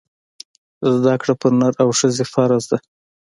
زده کړه پر نر او ښځي فرځ ده